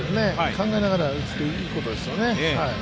考えながら打つことですよね。